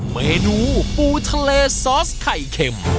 เมนูปูทะเลซอสไข่เข็ม